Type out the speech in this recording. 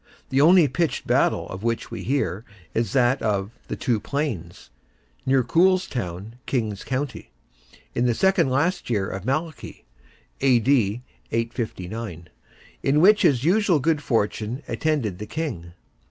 The only pitched battle of which we hear is that of "the Two Plains" (near Coolestown, King's County), in the second last year of Malachy (A.D. 859), in which his usual good fortune attended the king.